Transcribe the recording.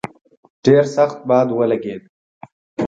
ډېر سخت باد ولګېد.